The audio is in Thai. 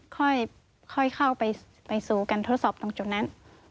ค่อยเข้าไปสู่กันทดสอบตรงจุดนั้น